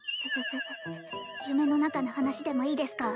う夢の中の話でもいいですか？